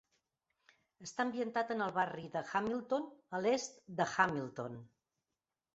Està ambientat en el barri de Hamilton, a l'est de Hamilton.